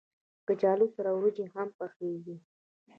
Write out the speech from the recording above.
کچالو سره وريجې هم پخېږي